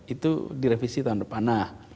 itu direvisi tahun depan